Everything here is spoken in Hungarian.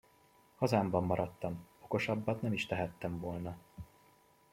Hazámban maradtam, okosabbat nem is tehettem volna.